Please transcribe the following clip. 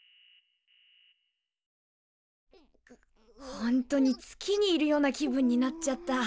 ほんとに月にいるような気分になっちゃった。